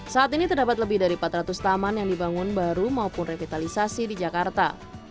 saat ini terdapat lebih dari empat ratus taman yang dibangun baru maupun revitalisasi di jakarta